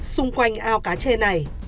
xung quanh ao cá chê này